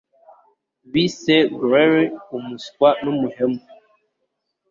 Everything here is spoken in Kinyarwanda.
Bise Greeley umuswa n'umuhemu.